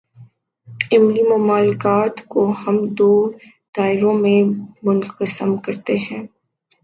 عملی معاملات کو ہم دو دائروں میں منقسم کرتے ہیں۔